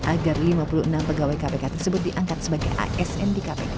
agar lima puluh enam pegawai kpk tersebut diangkat sebagai asm